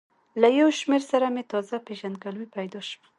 له یو شمېر سره مې تازه پېژندګلوي پیدا شوه.